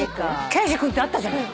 『刑事くん』ってあったじゃない。